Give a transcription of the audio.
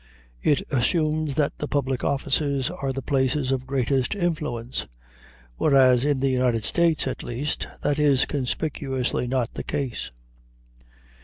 It assumes that the public offices are the places of greatest influence; whereas, in the United States, at least, that is conspicuously not the case.